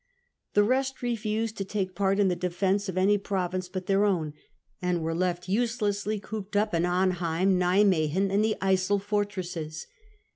The rest refused to take part in the defence of any province but their own, and were left uselessly cooped up in Mistakes of Arnheim, Nimwcgen, and the Yssel fortresses.